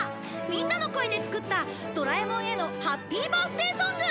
みんなの声で作ったドラえもんへのハッピーバースデーソング！